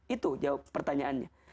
itu jawab pertanyaannya